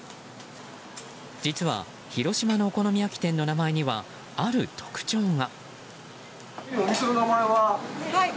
実は広島のお好み焼き店の名前にはある特徴が。